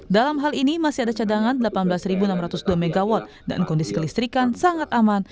dalam hal ini masih ada cadangan delapan belas enam ratus dua mw dan kondisi kelistrikan sangat aman